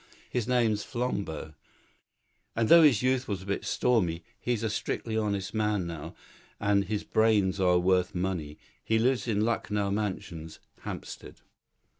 His name's Flambeau, and though his youth was a bit stormy, he's a strictly honest man now, and his brains are worth money. He lives in Lucknow Mansions, Hampstead."